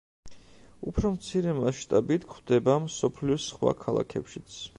უფრო მცირე მასშტაბით გვხვდება მსოფლიოს სხვა ქალაქებშიც.